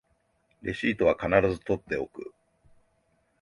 レシートは必ず取っておく